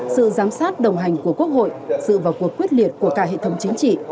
sự giám sát đồng hành của quốc hội sự vào cuộc quyết liệt của cả hệ thống chính trị